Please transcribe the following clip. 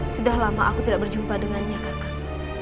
sudah lama aku tidak berjumpa dengannya kakak